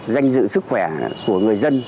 danh dự sức khỏe của người dân